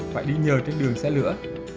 phải đi nhờ trên đường xe lửa